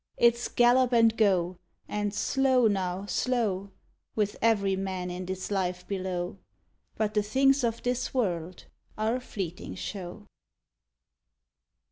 _It's "Gallop and go!" and "Slow, now, slow!" With every man in this life below But the things of this world are a fleeting show.